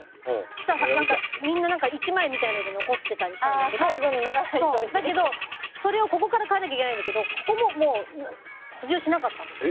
そしたら、みんな１枚みたいなので残ってたんだけどだけどそれをここから替えないといけないだけどここも、もう補充しなかったの。